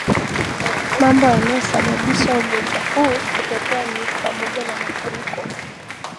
Mambo yanayosababisha ugonjwa huu kutokea ni pamoja na maafuriko